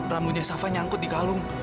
rambutnya sava nyangkut di kalung